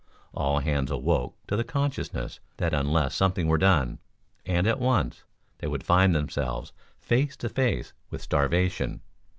All hands awoke to the consciousness that unless something were done, and at once, they would find themselves face to face with starvation.